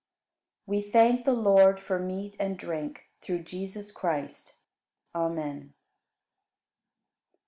51. We thank the Lord For meat and drink Through Jesus Christ. Amen.